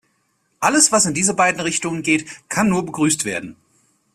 Alles, was in diese beiden Richtungen geht, kann nur begrüßt werden.